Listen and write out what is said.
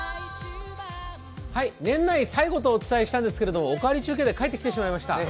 年内最後とお伝えしたんですけれども「おかわり中継」で帰ってきてしまいました。